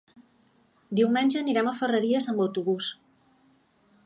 Diumenge anirem a Ferreries amb autobús.